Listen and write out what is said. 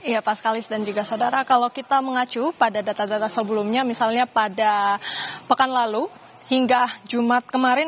iya pak sekali dan juga saudara kalau kita mengacu pada data data sebelumnya misalnya pada pekan lalu hingga jumat kemarin